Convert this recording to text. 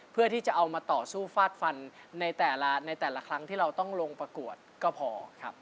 เพื่อที่จะเอามาต่อสู้ฟาดฟันในแต่ละในแต่ละครั้งที่เราต้องลงประกวดก็พอครับ